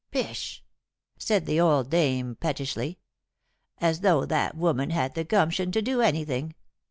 "Pish!" said the old dame pettishly. "As though that woman had the gumption to do anything.